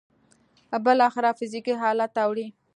بالاخره فزيکي حالت ته اوړي.